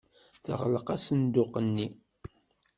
Teɣleq asenduq-nni.